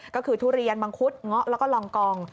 ก็คือทุเรียนมังคุดเงาะแล้วก็ลองกอง